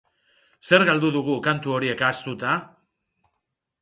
Zer galdu dugu kantu horiek ahaztuta?